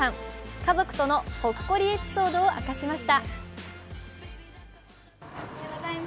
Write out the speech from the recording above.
家族とのほっこりエピソードを明かしました。